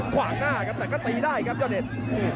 ขวางหน้าครับแต่ก็ตีได้ครับยอดเดช